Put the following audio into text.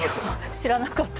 知らなかった！？